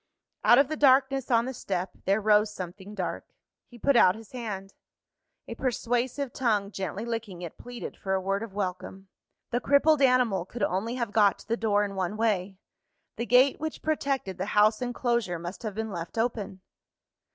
Out of the darkness on the step, there rose something dark. He put out his hand. A persuasive tongue, gently licking it, pleaded for a word of welcome. The crippled animal could only have got to the door in one way; the gate which protected the house enclosure must have been left open.